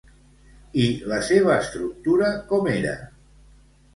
I la seva estructura com era?